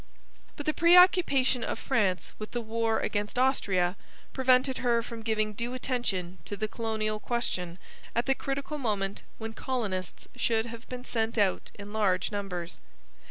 But the preoccupation of France with the war against Austria prevented her from giving due attention to the colonial question at the critical moment when colonists should have been sent out in large numbers.